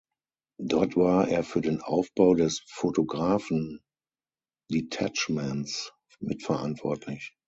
Dort war er für den Aufbau des Photographen-Detachements mitverantwortlich.